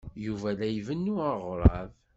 Yuba la ibennu aɣrab.